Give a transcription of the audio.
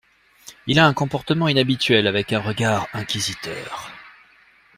Il a un comportement inhabituel avec un regard inquisiteur.